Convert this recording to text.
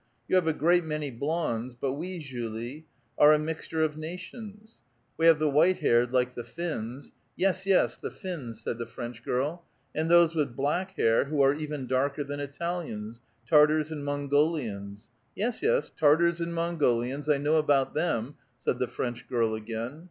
You have a great many blondes, but we, Julie, are a mixture of nations. We have the white haired like the Finns —"" Yes, yes, the Finns," said the French girl. *' And those with black hair, who are even darker than Italians ; Tartars and Mongolians —"" Yes, yes, Tartars and Mongolians ; I know about them," said the French girl again.